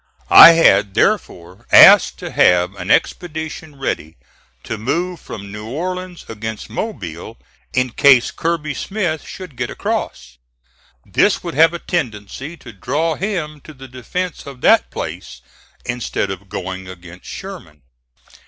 I had, therefore, asked to have an expedition ready to move from New Orleans against Mobile in case Kirby Smith should get across. This would have a tendency to draw him to the defence of that place, instead of going against Sherman.